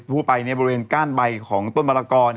ผู้ไปในบริเวณก้านใบของต้นมะกอก